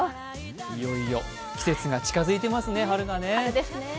いよいよ季節が近づいていますね、春がね。